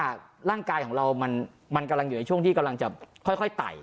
ร่างกายของเรามันกำลังอยู่ในช่วงที่กำลังจะค่อยไต่